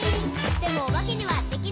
「でもおばけにはできない。」